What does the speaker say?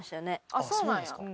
あっそうなんですか？